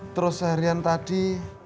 terus seharian tadi